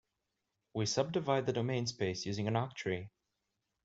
We subdivide the domain space using an octree.